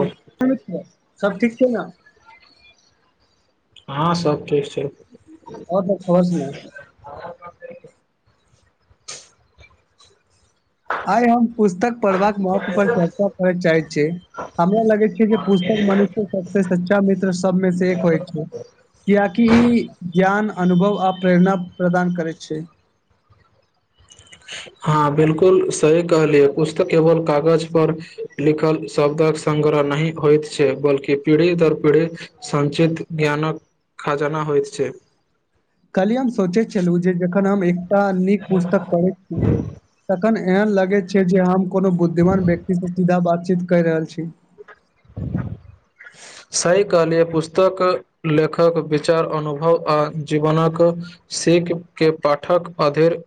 ओ सब ठीक छै ने हाँ सब ठीक छै आओर सब खबर सुनाउ आइ हम पुस्तक पढ़बाक महत्व पर चर्चा करय चाहैत छी हमरा लगै छै जे पुस्तक मनुष्य सबसे सच्चा मित्र सबमे से एक होइ छै कियकि कि ज्ञान अनुभव आ प्रेरणा प्रदान करै छै [inaudible] हाँ बिलकुल सही कहलियै पुस्तक केवल कागज पर लिखल शब्दक सँ संग्रह नै हौत छै बल्कि पीढ़ी दर पीढ़ी संचित ज्ञानक खजाना होइत छै कहलियै हम सोचैत छलहुँ जे जखन हम एकटा नीक पुस्तक पढ़ैत छी एखन एहन लगैत छै जे हम कोनो बुद्धिमान व्यक्ति से सीधा बातचीत कयै रहल छी सही कहलियै पुस्तक लेखक विचार अनुभव आ जीवनक सीखके पाठक अधरि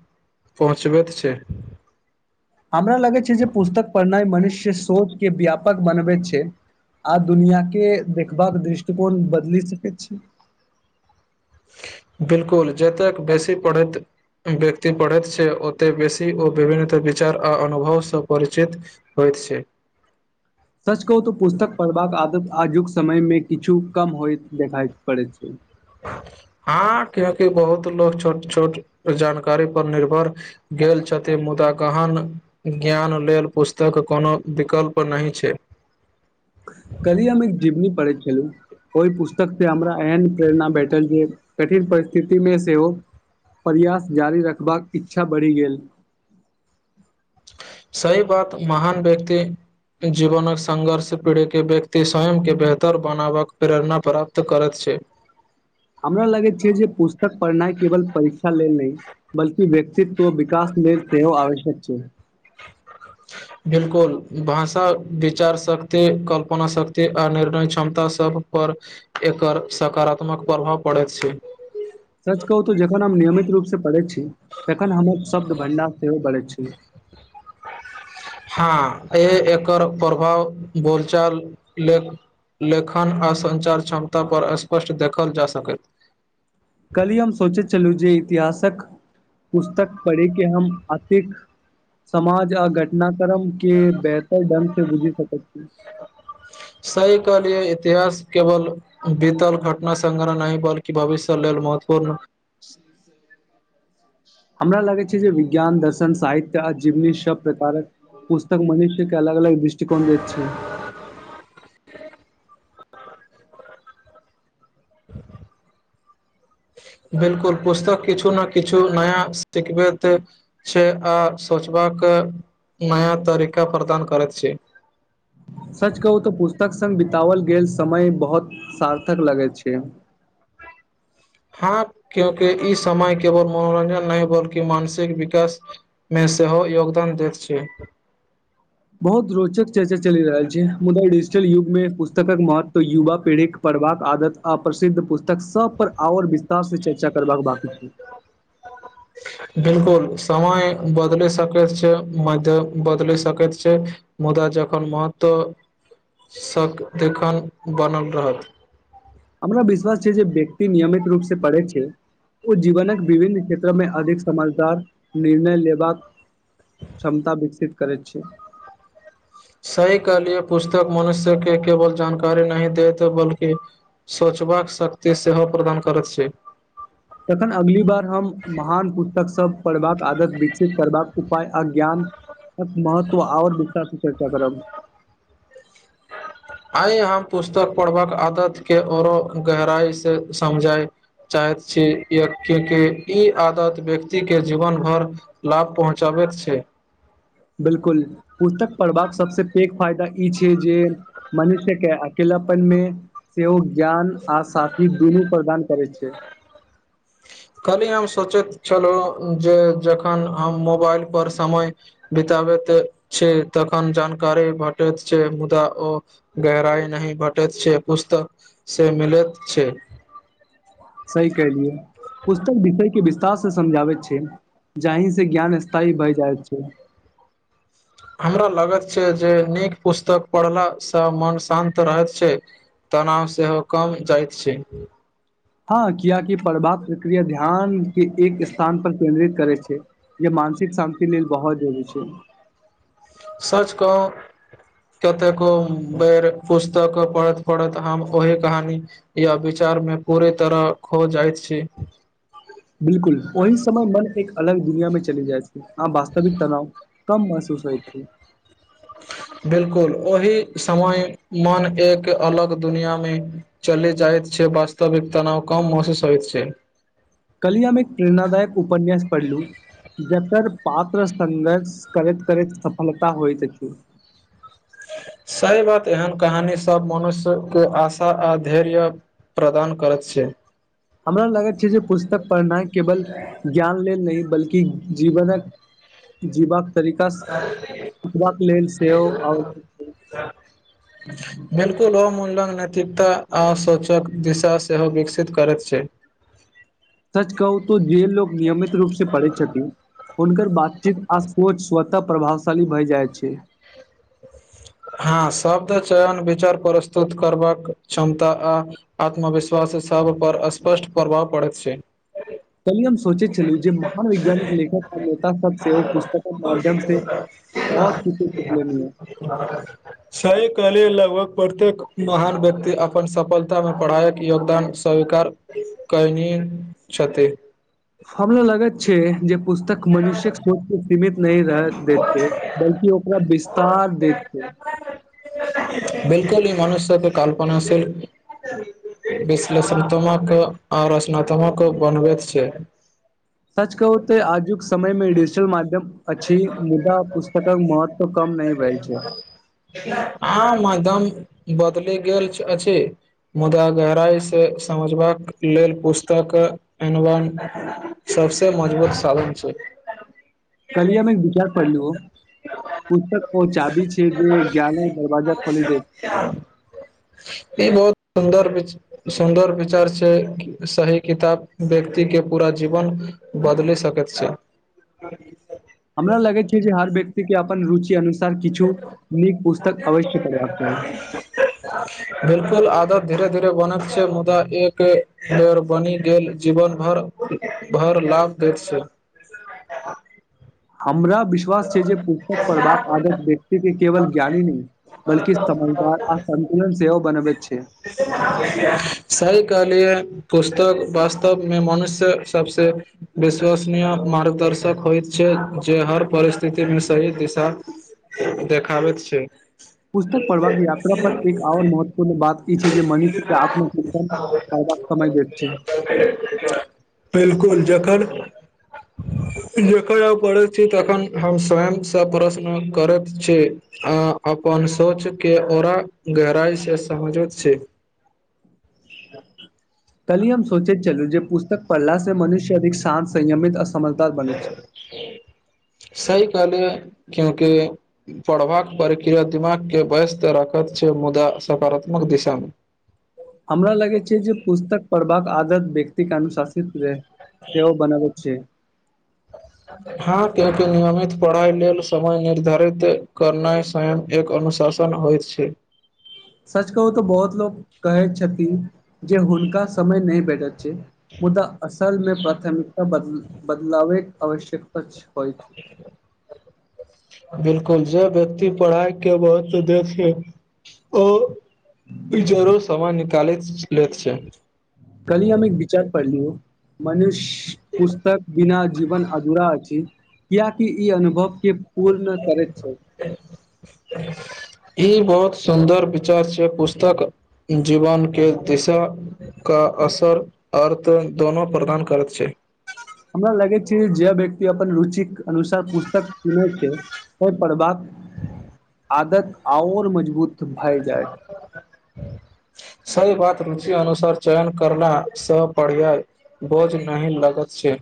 पहुँचबैत छै हमरा लगै छै जे पुस्तक पढ़नाइ मनुष्य सोच के व्यापक बनबैत छै आ दुनिआँके देखबाक दृष्टिकोण बदलि सकैत छी बिलकुल जतेक वैसी पढ़ैत व्यक्ति पढ़ैत छै ओते बेसी ओ विभिन्न त विचार आ अनुभव से परिचित होय से सच कहू तऽ पुस्तक पढ़बाक आदत आजुक समय मे किछु कम होय देखाइ पड़ैत छै हँ क्याकि बहुत लो छोट छोट जानकारी पर निर्भर गेल छथि मुदा गहन ज्ञान लेल पुस्तक कोनो विकल्प नहि छै [inaudible] हेलो ओहि पुस्तक से हमरा एहन प्रेरणा भेठल जे कठिन परिस्थितिमे सेहो प्रयास जारी रखबाक इच्छा बढ़ि गेल [inaudible] सही बात महान व्यक्ति जीवनक संघर्ष पीढ़े के व्यक्ति स्वयं के बेहतर बनाबक प्रेरणा प्राप्त करैत छै [inaudible] हमरा लगैत छै जे पुस्तक पढ़नाइ केवल परीक्षा लेल नहि बल्कि व्यक्तित्व विकास लेल सेहो आवश्यक छै बिलकुल भाषा विचार शक्ति कल्पना शक्ति आ निर्णय क्षमता सभ पर एकर सकारात्मक प्रभाव पड़ैत छै सच कहू तऽ जखन हम नियमित रूप से पढ़ै छी त तखन हमर शब्द भण्डार सेहो बढ़ैत छी हँ ए एकर प्रभाव बोलचाल ले लेखन आ सञ्चार क्षमता पर स्पष्ट देखल जा सकैत कल्हि हम सोचैत छलू जे इतिहासक पुस्तक पढ़िके हम अतिक समाज आ घटना कर्म के बेहतर ढंग से बुझि सकैत छी सही कहलियै इतिहास केवल बीतल घटना संग्रह नहि बल्कि भविष्य लेल महत्वपूर्ण [inaudible] हमरा लगै छै जे विज्ञान दर्शन साहित्य आ जीवनी सभ कारक पुस्तक मनष्यके अलग अलग दृष्टिकोण देत छै [inaudible] [inaudible] बिल्कुल पुस्तक किछु ने किछु नया सिखबैत छै आ सोचबाक नया तरीका प्रदान करैत छी सच कहू त पुस्तक संग बितावल गेल समय बहुत सार्थक लगैत छै हँ क्योकि ई समय केवल मनोरं्जन नहि बल्कि मानसिक विकास मे सेहो योगदान दैत छै बहुत रोचक चर्चा चलि रहल छै मुदा डिजिटल युग में पुस्तक महत्व युवा पीढ़ीक के पढ़ बाक आदत अप्रसिद्ध पुस्तक सभ पर आओर विस्तार से चर्चा चर्चा करबाक बाकी छै बिलकुल समय बदलि सकैत छै मध्य बदलि सकेत छै मुदा जब एखन महत्व सदखन बनल रहत हमरा विश्वास छै जे व्यक्ति नियमित रूप से पड़ै छै ओ जीवनक विभिन्न क्षेत्र मे अधिक समझदार निर्णय लेबाक क्षमता विकसित करै छै सही कहलिय पुस्तक मनुष्य के केवल जानकारी नहि देते बल्कि सोच सोचबाक शक्ति सेहो प्रदान करैत छै तखन अगली बार हम महान पुस्तक सब पढ़बाक आदत विकसित करबाक उपाय आ ज्ञान एक महत्व आऔर विशेष विषय प चर्चा करब [inaudible] आइ हम पुस्तक पढ़बाक आदत के औरो गहराइ से समझाय चाहैत छी कियाकि कि ई आदत व्यक्ति के जीवन भर लाभ पहुँचाब बैत छै बिल्कुल पुस्तक पढ़बाक सबसे पैघ फायदा ई छै जे मनुष्यके अकेल पन मे सेहो ज्ञान आ साथी दुनू प्रदान करैत छै कल्हि हम सोचैत छलहुँ जे जखन हम मोबाइल पर समय बिता बैत छै तखन जानकारी भेटैत छै मुदा ओ गहराई नहि भेट भेटेत छै पुस्तक से मिलैत छै सही कहलियै पुस्तक विषयके विस्तार से समझाबैत छै जाहि से ज्ञान स्थायी भै जाइत छै [inaudible] हमरा लागैत छै जे नीक पुस्तक पढ़लासँ मन शान्त रहैत छै तनाव सेहो कम जाइत छै हँ कियाकि प्रभाव प्रक्रिया ध्यान के एक स्थान पर केन्द्रित करै छै या म मानसिक शान्ति लेल बहुत जरुरी छै सच कहूं कतेको बेर पुस्तक पढ़त पढ़त हम ओहि कहानी या विचार मे पूरी तरह खो जाइत छै बिलकुल ओहि समय मन एक अलग दुनिया मे चलि जाइत छै आ वास्तविक तनाव कम महसूस होइत छै [inaudible] बिलकुल ओहि समय मन एक अलग दुनिया मे चली जायत छै से वास्तविक तनाव कम महसूस होइत छै कल्हि हम एक प्रेरणादायक उपन्यास पढ़लू जकर पात्र संघर्ष करैत करैत सफलता होइत अछि सही बात एहन कहानी सब मनुष्य के आशा आ धैर्य प्रदान करैत छै हमरा लगैत छै जे पुस्तक पढ़नाइ केवल ज्ञान लेल नहि बल्कि जीवनक जीबाक तरीकास सीखबाक लेल सेहो आवश्यक छै बिलकुल ओ मुल्यन नैैतिकता आ सोचक दिशा सेहो विकसित करैत छै त जे लोक नियमित रूप से पढ़ै छथिन हुनकर बातचीत आ सोच स्वतः प्रभावशाली भए जाइत छै हँ शब्द चयन विचार प्रस्तुत करबाक क्षमता आ आत्मविश्वास सब पर अस्पष्ट प्रभाव पड़ैत छै कल्हि हम सोचैत छलहुँ जे महान वैज्ञानिक लेखक आ नेता सब सेहो पुस्तकक माध्यम से [inaudible] बहुत किछु सिखलनि ये सही कहलिय लगभग प्रत्येक महान व्यक्ति अपन सफलता मे पढ़ाईक योगदान सब स्वीकार कनि छथि हमरा लगैत छै जे पुस्तक मनुष्य्यक सोच के सीमित नहि रह दैत छै बल्कि ओकरा विस्तार दैत छै बिलकुल ई मनुष्य के कल्पना से विश्लेषात्मक आ रचनात्मक बनबैत छै सच कहूं त आजुक समय में डिजिटल माध्यम एकदम अछि मुदा पुस्तकक महत्व कम नहीं भेल छै [unintelligible] बदलि गेल अछि मुदा गहराई सँ समझबाक लेल पुस्तक क एनवन सबसे मजबूत साधन छै कलियामे एक विचार पढ़लू हो पुस्तक ओ चाबी छै जे ज्ञानक दरवाजा खोले दे ई बहुत सुन्दर विच सुन्दर विचार से सही किताब व्यक्ति के पूरा जीवन बदले सकेत छै हमरा लगै छै जे हर व्यक्ति के अपन रुचि अनु किछु नीक पुस्तक अवश्ये पढ़बाक चाही बिलकुल धीरे धीरे बनल छै मुदा एक मेयर बनि गेल जीवन भर भर पर लाभ देत छै हमरा विश्वास छै जे पुस्तक पढ़बाक आदत व्यक्ति के केवल ज्ञानी नहि बलकि समझदार असन्तुलन सेहो बनबैत छै सही कहलिय पुस्तक वास्तवमे मनुष्य सबसे विश्वसनीय मार्गदर्श श्यक होइत छै जे हर परिस्थिति मे सही दिशा देखाबेक छै पुस्तक पढ़बाक यात्रा पर एक आओर महत्व पूर्ण बात ई छै जे मनुष्य के आत्म चिन्तन करबाक समय दैत छै बिलकुल जखन जखन आ पढ़ैत छी तखन हम स्वयं से प्रश्न करैत छी अ अनशोच के ओरा गहराइ से समझबैत छै कली हम सोचैत चलू जे पुस्तक पढ़ला से मनुष्य अधिक शान्त संयमित अ स समझदार बनै छै सही कहलिय क्योकि पढ़बाक प्रक्रिया दिमाग के व्यस्त राखऽ छ मुदा सकारात्मक दिशामे हमरा लगै छै जे पुस्तक पढ़बाक आदत व्यक्तिके अनुशासित रहै सेओ बनाबैत छै के नियमित पढ़ाइ लेल समय निर्धारित करनाइ स्वयं एक अनुशासन होइत छै [inaudible] सच कहू तऽ बहुत लोक कहैत छथिन जे हुनका समय नहि भेटत मुदा असल मे प्राथमिकता बदल बदलावैके आवश्यकता छै होई छै बिलकुल जे व्यक्ति पढ़ाइ के महत्व देथिन ओ बी जरूर समान निकालैत ले छै कली हम एक विचार पढ़लीयो मनुष्य पुस्तक बिना जीवन अधूरा अछि क्या कि ई अनुभव के पूर्ण करैत छै ई बहुत सुन्दर विचार से पुस्तक जीवन के दिशा के असर अर्थ दोनो प्रदान करैत छै हमरा लगै छै जे व्यक्ति अपन रुचिक अनुसार पुस्तक किनै छै एहि पढ़बाक [inaudible] आदत आओर मजबूत भए जायत सही बात रुचि अनुसार चयन करलासँ पढ़्यइ बोझ नहि लगैत छै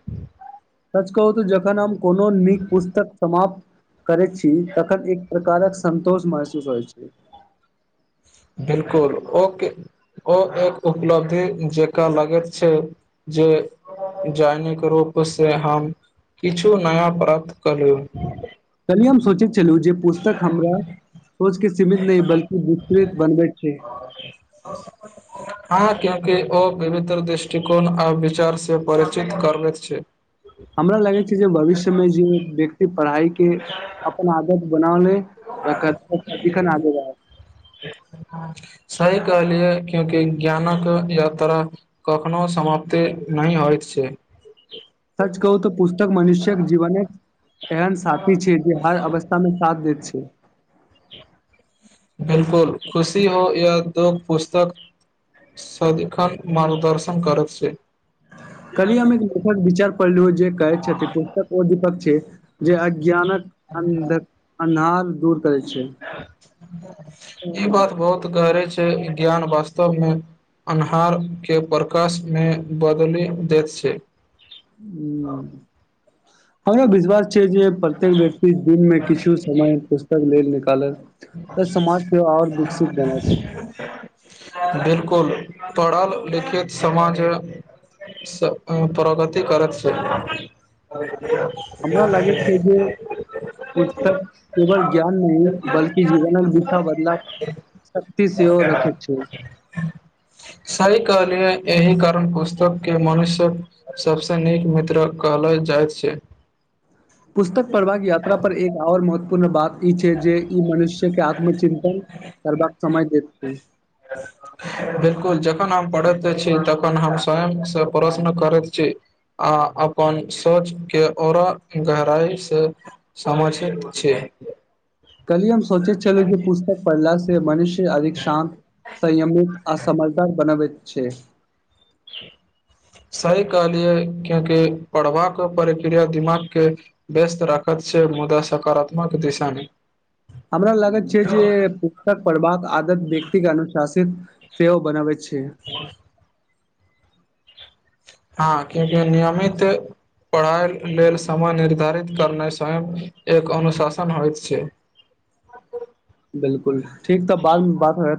सच कहूत जखन हम कोनो नीक पुस्तक समाप्त करैत छी तखन एक प्रकारक संन्तोष महसूस होइ छै बिलकुल ओके ओ एक उपलब्धि जेकरा लगैत छै जे दैनिक रूपसँ हम किछु नया प्राप्त क लू कलहि हम सोचैत छलहुँ जे पुस्तक हमरा सोचके सीमित नहि बल्कि विस्तृत बनबैत छै हँ के ओ पवित्र दृष्टिकोण आ विचार से परिचित करबैत छै हमरा लागै छै जे भविष्यमे जे व्यक्ति पढ़ाइ के अपन आदत बनौने रखत ओ सबदिखन आगे जायत [inaudible] सही कहलियै क्योंकि ज्ञानक यात्रा कखनो समाप्त नहि होय होयत छै सच कहूं तऽ पुस्तक मनुष्य्यक जीवनक एहन साथी छै जे हर अवस्थामे साथ देैत छै बिलकुल खुशी हो या दुख पुस्तक सदीखन मार्गदर्शन करैत छै कल्हि हम एक लेखक विचार पढ़लु जे कहैत छथि पुस्तक ओ दीपक छै जे अज्ञानक अंधक अन्हार दूर करै छै ई बात बहुत गहरे छै ज्ञान वास्तवमे अन्हार के प्रकाशमे बदलि दैत छै ह हमरा विश्वास छै जे प्रत्येक व्यक्ति दिनमे किछु समय पुस्तक लेल निकालल बनत बिल्कूल कुल पढ़ल लिखित समाज प्रगति करैत छै हमरा लागै छै जे पुस्तक केवल ज्ञान नहि बल्कि जीवनक दिशा बदला सेहो रखैत छै सही कहलियै एहि कारण पुस्तक के मनुष्य्यक सबसे नीक मित्र कहल जाइत छै [inaudible] पुस्तक पढ़बाके यात्रा पर एक और महत्वपूर्ण बात ई छै जे ई मनुष्यके आत्मचिंतन करबाक समय दैत छै [inaudible] बिलकुल जखन हम पढ़ैत छी तखन हम स्वयं स प्रश्न करैत छी आ अपन सोच के औरा गहराई से समझैत छी [inaudible] कल्हि हम सोचेत छलुं जे पुस्तक पढ़ला से मनुष्य अधिक शांत संयमित आ समझदार बनाबैत छै सही कहलियै क्यूंकि पढ़वाक प्रक्रिया दिमाग के व्यस्त राखत छै मुदा सकारात्मक दिशा मे हमरा लागैत छै जे पुस्तक पढ़बाक आदत व्यक्ति के अनुशासित सेहो बनाबैत छै हँ कियाकि नियमित पढ़ाइ लेल समय निर्धारित करनाइ स्वयं एक अनुशासन होइत छै [inaudible] बिलकुल ठीक तऽ बादमे बात होयत